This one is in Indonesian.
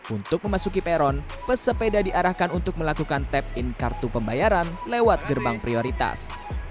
untuk memasuki peron pesepeda diarahkan untuk melakukan tap in kartu pembayaran lewat gerbang prioritas